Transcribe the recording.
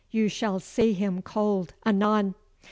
You shall see him cold anon.